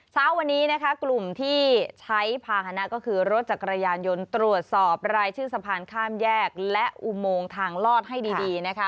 เช้าวันนี้นะคะกลุ่มที่ใช้ภาษณะก็คือรถจักรยานยนต์ตรวจสอบรายชื่อสะพานข้ามแยกและอุโมงทางลอดให้ดีนะคะ